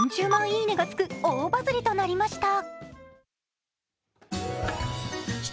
いいねがつく大バズりとなりました。